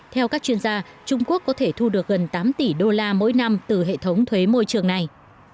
theo các chuyên gia trung quốc có thể thu được gần tám tỷ đô la mỗi năm từ hệ thống thuế môi trường này